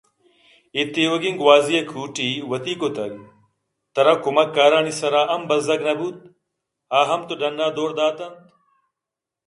اے تیوگیں گوٛازی ءِ کوٹی وتی کُتگ تر ا کمکارانی سر اہم بزّگ نہ بوت آ ہم تو ڈنّ ءَ دور دات اَنت